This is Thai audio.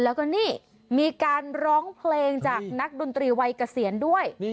แล้วก็นี่มีการร้องเพลงจากนักดนตรีวัยเกษียณด้วย